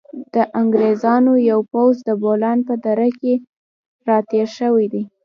د انګریزانو یو پوځ د بولان په دره کې را تېر شوی دی.